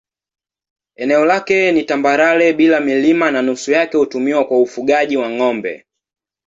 Eneo lake ni tambarare bila milima na nusu yake hutumiwa kwa ufugaji wa ng'ombe.